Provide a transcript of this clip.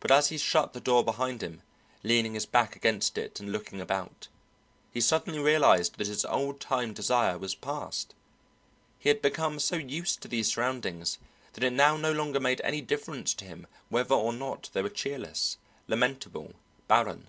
But as he shut the door behind him, leaning his back against it and looking about, he suddenly realized that his old time desire was passed; he had become so used to these surroundings that it now no longer made any difference to him whether or not they were cheerless, lamentable, barren.